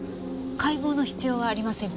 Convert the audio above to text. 解剖の必要はありませんか？